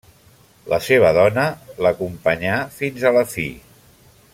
La seva dona l'acompanyà fins a la fi.